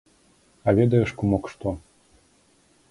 А ведаеш, кумок, што?